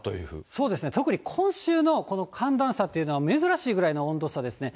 そうですね、特に今週のこの寒暖差というのは、珍しいぐらいの温度差ですね。